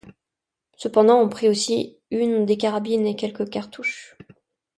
Cependant, on prit aussi une des carabines et quelques cartouches.